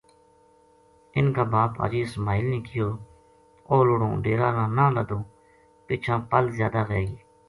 اِنھ کا باپ حاجی اسماعیل نے کہیو اوہ لڑوں ڈیرا نا نہ لَدوں پَچھاں پل زیادہ وھے گی